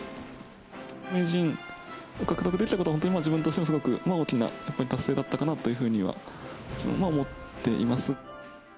名人を獲得できたことは、本当に自分としてもすごく大きな達成だったかなというふうには思っています。